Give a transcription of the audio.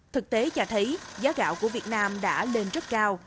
thực tế chả thấy giá gạo của việt nam đã lên rất cao